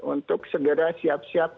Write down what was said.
untuk segera siap siap